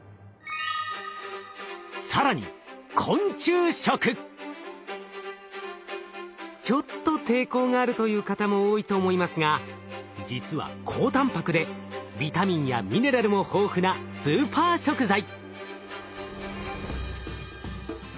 更にちょっと抵抗があるという方も多いと思いますが実は高たんぱくでビタミンやミネラルも豊富なスーパー食材。